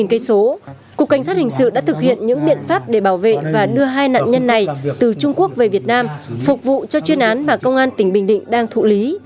cảnh sát hình sự đã thực hiện những biện pháp để bảo vệ và đưa hai nạn nhân này từ trung quốc về việt nam phục vụ cho chuyên án mà công an tỉnh bình định đang thụ lý